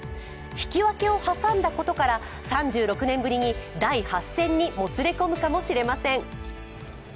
引き分けを挟んだことから３６年ぶりに第８戦にもつれ込むかもしれません。